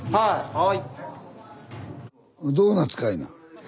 はい。